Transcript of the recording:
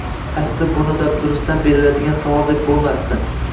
Aslida buni dabdurustdan berilgan savol deb bo`lmasdi